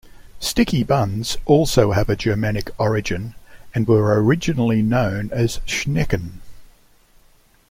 Sticky buns also have a Germanic origin and were originally known as "Schnecken".